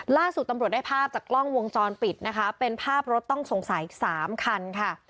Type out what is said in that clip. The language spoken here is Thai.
ล่าสุดตำรวจได้ภาพจากกล้องวงจรปิดนะคะเป็นภาพรถต้องสงสัยสามคันค่ะ